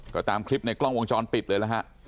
ก็ตามคลิปในกล้องวงจรปิดเลยนะฮะ